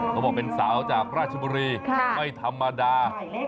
เขาบอกเป็นสาวจากราชบุรีไม่ธรรมดา